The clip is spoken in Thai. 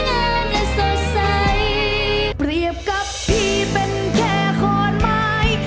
งานและสดใสเปรียบกับพี่เป็นแค่ขอนไม้